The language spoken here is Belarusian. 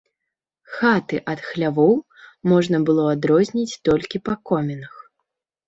Хаты ад хлявоў можна было адрозніць толькі па комінах.